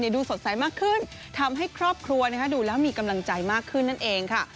ดูสดใสมากขึ้นทำให้ครอบครัวดูแล้วมีกำลังใจมากขึ้นนั่นเองค่ะ